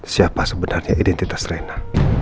siapa sebenarnya identitas reyna